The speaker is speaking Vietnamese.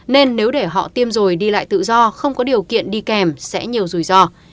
nên nếu để họ tiêm rồi đi lại tự do không có điều kiện đi kèm sẽ nhiều rủi ro